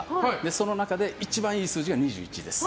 その中で一番いい数字が２１です。